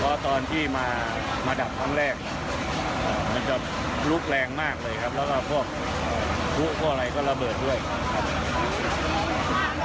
เพราะตอนที่มามาดับครั้งแรกมาจัดลุ๊กแรงมากเลยครับแล้วก็พวกครึ่งผมอะไรก็ระเบิด้วยนะ